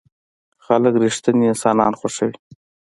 خلک رښتيني انسانان خوښوي.